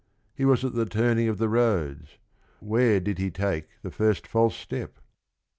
He was at the turning of the roads; where did bte take the first false step ?